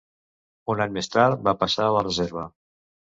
Un any més tard va passar a la reserva.